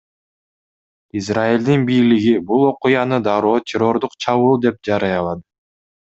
Израилдин бийлиги бул окуяны дароо террордук чабуул деп жарыялады.